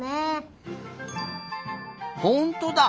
ほんとだ。